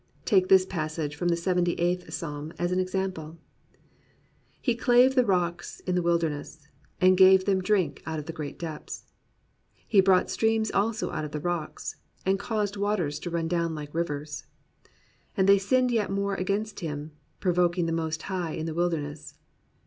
Take this passage from the Seventy eighth Psalm as an example: He clave the rocks in the wilderness. And gave them drink out of the great depths. He brought streams also out of the rock. And caused toaters to run down like rivers. And they sinned yet more against him. Provoking the Most High in the wilderness.